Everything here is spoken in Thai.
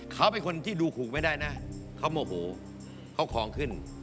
เขาเป็นคนที่ดูขู่ไม่ได้นะเขาโมโหเขาของขึ้น